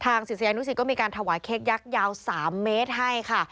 ศิษยานุสิตก็มีการถวายเค้กยักษ์ยาว๓เมตรให้ค่ะ